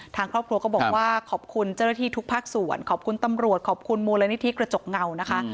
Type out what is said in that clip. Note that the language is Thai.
ทางครอบครัวก็บอกว่าขอบคุณเจ้าหน้าที่ทุกภาคส่วนขอบคุณตำรวจขอบคุณมูลนิธิกระจกเงานะคะ